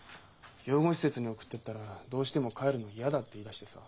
養護施設に送ってったらどうしても帰るの嫌だって言いだしてさ。